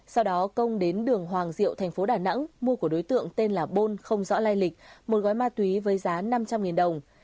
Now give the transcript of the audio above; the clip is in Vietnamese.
sau đó công đến đường hoàng diệu thành phố đà nẵng mua của đối tượng tên là bôn không rõ lai lịch một gói ma túy với giá năm trăm linh đồng